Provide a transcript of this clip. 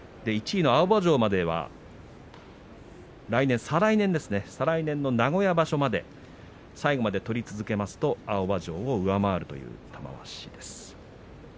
１位の青葉城までは再来年の名古屋場所まで最後まで取り続けますと青葉城を上回るということです。